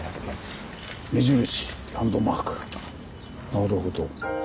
なるほど。